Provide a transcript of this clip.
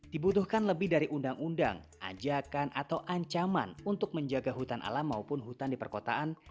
dibutuhkan lebih dari undang undang ajakan atau ancaman untuk menjaga hutan alam maupun hutan di perkotaan